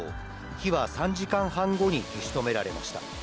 火は３時間半後に消し止められました。